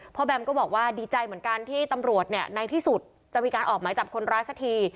พ่อแบมก็บอกว่าดีใจเหมือนกันที่ดิจัยคือตำรวจในที่สุดจะเอาออกหมายจับคนร้ายสักที